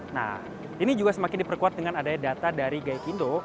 nah ini juga semakin diperkuat dengan adanya data dari gaipindo